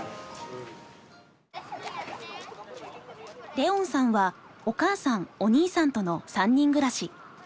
恋音さんはお母さんお兄さんとの３人暮らし。